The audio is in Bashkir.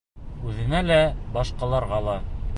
Үҙенә лә, башҡаларға ла.